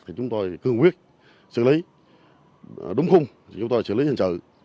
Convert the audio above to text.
thì chúng tôi cương quyết xử lý đúng không thì chúng tôi xử lý hành trận